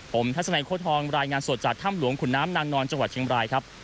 ผมทัศนัยโค้ทองรายงานสดจากถ้ำหลวงขุนน้ำนางนอนจังหวัดเชียงบรายครับ